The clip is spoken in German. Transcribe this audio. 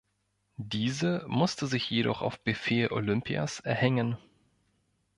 Diese musste sich jedoch auf Befehl Olympias’ erhängen.